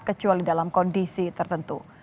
kecuali dalam kondisi tertentu